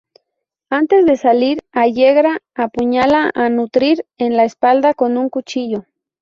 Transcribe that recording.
Antes de salir, Allegra apuñala a Nutrir en la espalda con un cuchillo.